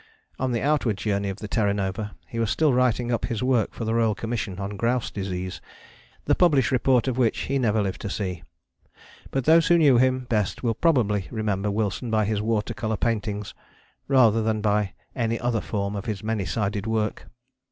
On the outward journey of the Terra Nova he was still writing up his work for the Royal Commission on Grouse Disease, the published report of which he never lived to see. But those who knew him best will probably remember Wilson by his water colour paintings rather than by any other form of his many sided work.